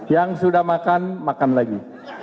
yang sudah makan makan lagi